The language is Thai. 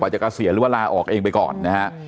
กว่าจะเสียเวลาออกเองไปก่อนนะฮะ